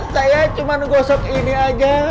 saya cuma gosok ini aja